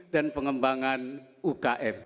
dan pengembangan ukm